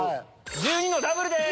１２のダブルです！